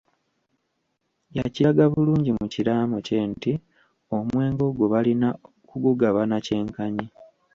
Yakiraga bulungi mu kiraamo kye nti omwenge ogwo balina kugugabana kyenkanyi.